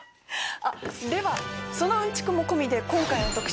あっではそのうんちくも込みで今回の特集